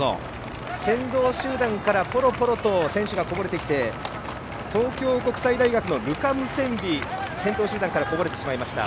先頭集団からぽろぽろと選手が離れてきて東京国際大学のルカ・ムセンビ、先頭集団からこぼれてしまいました。